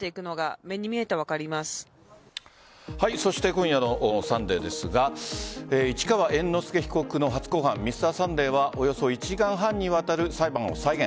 今夜の「サンデー」ですが市川猿之助被告の初公判「Ｍｒ．サンデー」はおよそ１時間半にわたる裁判を再現。